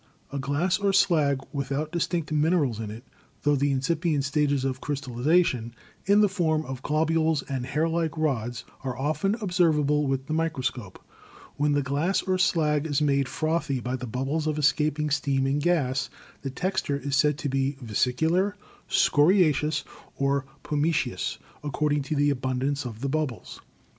— A glass or slag without distinct min erals in it, tho the incipient stages of crystallization, in the form of globules and hairlike rods, are often observ able with the microscope. When the glass or slag is made frothy by the bubbles of escaping steam and gas the texture is said to be vesicular, scoriaceous or pumi ceous, according to the abundance of the bubbles.